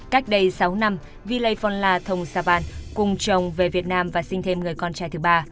cách đây sáu năm villei phonla thong savan cùng chồng về việt nam và sinh thêm người con trai thứ ba